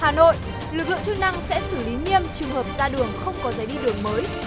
hà nội lực lượng chức năng sẽ xử lý nghiêm trường hợp ra đường không có giấy đi đường mới